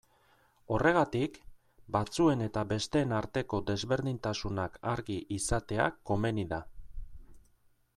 Horregatik, batzuen eta besteen arteko desberdintasunak argi izatea komeni da.